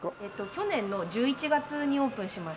去年の１１月にオープンしました。